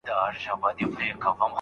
د شیطان پر پلونو پل ایښی انسان دی